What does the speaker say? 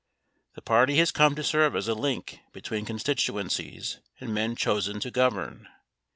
The party has come to serve as a link betw T een constituencies and men chosen to govern.